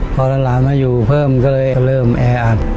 พอหลานมาอยู่เพิ่มก็เลยเริ่มแออัด